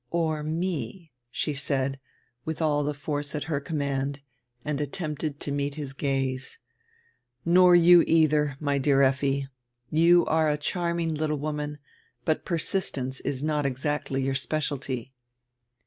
"Or me," she said, with all dre force at her command, and attenrpted to nreet his gaze. "Nor you eidier, my dear Effi. You are a charming litde woman, but persistence is not exacdy your specialty."